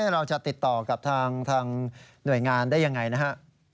เราจะติดต่อกับทางหน่วยงานได้ยังไงนะฮะ